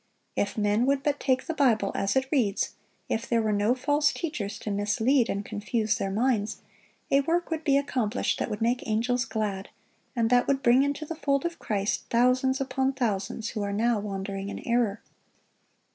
(1033) If men would but take the Bible as it reads, if there were no false teachers to mislead and confuse their minds, a work would be accomplished that would make angels glad, and that would bring into the fold of Christ thousands upon thousands who are now wandering in error.